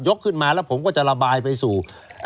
ขึ้นมาแล้วผมก็จะระบายไปสู่